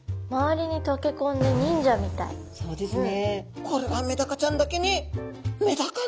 何かそうですね。